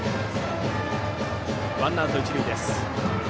ワンアウト、一塁です。